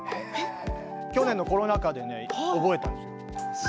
去年のコロナ禍で覚えたんです。